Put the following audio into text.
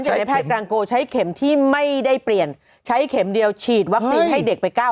ในแพทย์กลางโกใช้เข็มที่ไม่ได้เปลี่ยนใช้เข็มเดียวฉีดวัคซีนให้เด็กไป๙๐